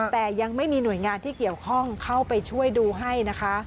แต่ยังไม่มีหน่วยงานที่เกี่ยวข้องเข้าไปช่วยดูให้นะคะ